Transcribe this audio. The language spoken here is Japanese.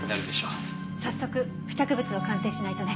早速付着物を鑑定しないとね。